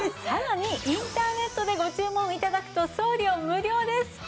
さらにインターネットでご注文頂くと送料無料です。